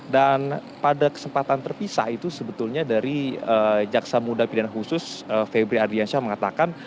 dan pada kesempatan terpisah itu sebetulnya dari jaksa muda pindahan khusus febri adiansyah mengatakan